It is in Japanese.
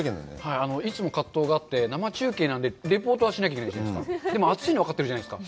はいいつも葛藤があって生中継なんでリポートはしなきゃいけないじゃないですかでも熱いの分かってるじゃないです